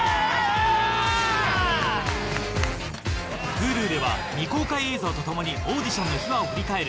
Ｈｕｌｕでは未公開映像と共にオーディションの秘話を振り返る